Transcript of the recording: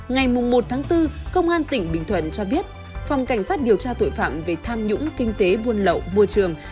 ngày một bốn công an tỉnh bình thuận cho biết phòng cảnh sát điều tra tội phạm về tham nhũng kinh tế buôn lậu môi trường